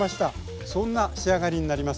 そんな仕上がりになります。